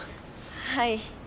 はい。